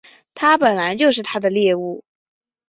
你本来就是他的猎物